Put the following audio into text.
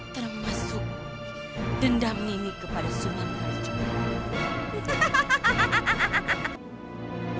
termasuk dendam ini kepada sunan kalijogo